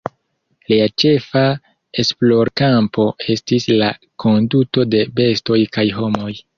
Lia ĉefa esplorkampo estis la konduto de bestoj kaj homoj.